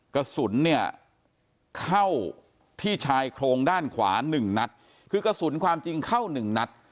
กระสุนเนี่ยเข้าที่ชายโครงด้านขวาหนึ่งนัดคือกระสุนความจริงเข้าหนึ่งนัด